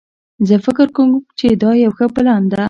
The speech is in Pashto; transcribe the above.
زه فکر کوم چې دا یو ښه پلان ده